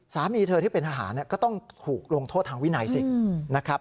สามีเธอที่เป็นทหารก็ต้องถูกลงโทษทางวินัยสินะครับ